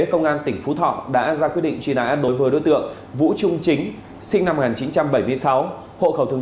công an tỉnh phú thọ đã ra quyết định truy nã đối với đối tượng vũ trung chính sinh năm một nghìn chín trăm bảy mươi sáu hộ khẩu thường